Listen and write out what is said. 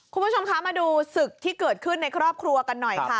คุณผู้ชมคะมาดูศึกที่เกิดขึ้นในครอบครัวกันหน่อยค่ะ